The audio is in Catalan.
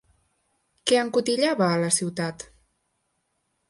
Què encotillava a la ciutat?